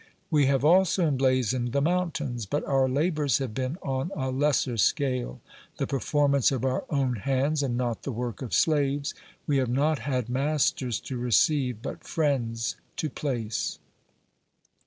We have also emblazoned the mountains, but our labours have been on a lesser scale, the performance of our own hands and not the work of slaves j we have not had masters to receive, but friends to place.